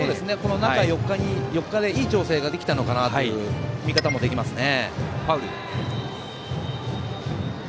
中４日でいい調整ができたのかなという見方もできますね。